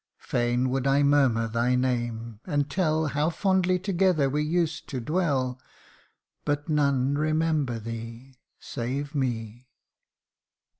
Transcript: Fain would I murmur thy name, and tell How fondly together we used to dwell But none remember thee Save me